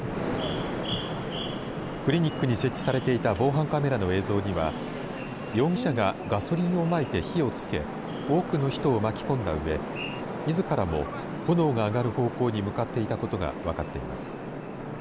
クリニックに設置されていた防犯カメラの映像には容疑者がガソリンをまいて火をつけ多くの人を巻き込んだうえみずからも炎が上がる方向に向かっていたことが分かっています。